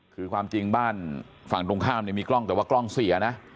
คือความจริงบ้านฝั่งตรงข้ามเนี่ยมีกล้องแต่ว่ากล้องเสียนะ